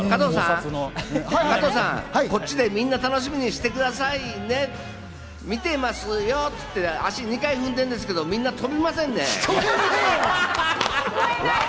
加藤さん、こっちでみんな楽しみにしてくださいね、見てますよって２回足踏んでるんですけど皆飛びませんね。